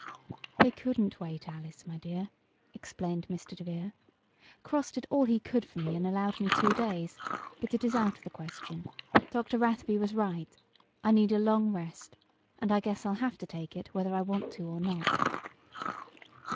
"They couldn't wait, Alice, my dear," explained Mr. DeVere. "Cross did all he could for me, and allowed me two days. But it is out of the question. Dr. Rathby was right. I need a long rest and I guess I'll have to take it whether I want to or not."